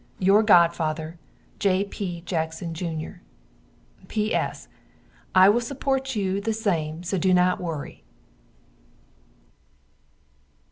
Your godfather, J.P. Jackson Jr. P.S. I will suport you just the same so do not worry.